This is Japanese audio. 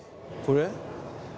これ？